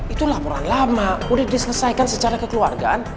itu laporan lama sudah diselesaikan secara kekeluargaan